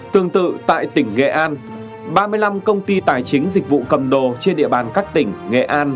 tương tự tại tỉnh nghệ an ba mươi năm công ty tài chính dịch vụ cầm đồ trên địa bàn các tỉnh nghệ an